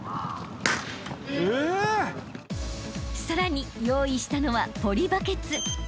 ［さらに用意したのはポリバケツ］